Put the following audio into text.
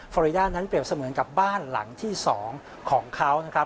อริดานั้นเปรียบเสมือนกับบ้านหลังที่๒ของเขานะครับ